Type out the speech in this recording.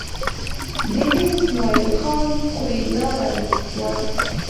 دېره اسمعیل خان خو یې لار وه.